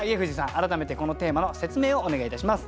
改めてこのテーマの説明をお願いいたします。